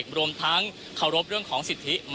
คุณทัศนาควดทองเลยค่ะ